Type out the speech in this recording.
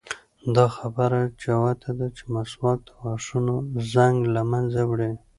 دا خبره جوته ده چې مسواک د غاښونو زنګ له منځه وړي.